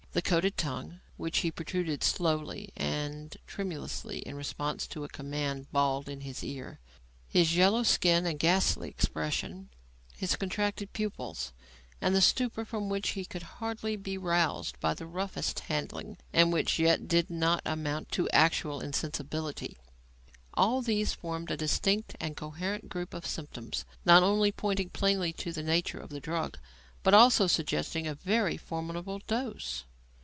The coated tongue, which he protruded slowly and tremulously in response to a command bawled in his ear; his yellow skin and ghastly expression; his contracted pupils and the stupor from which he could hardly be roused by the roughest handling and which yet did not amount to actual insensibility; all these formed a distinct and coherent group of symptoms, not only pointing plainly to the nature of the drug, but also suggesting a very formidable dose.